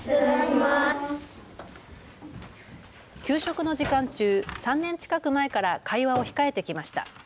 給食の時間中、３年近く前から会話を控えてきました。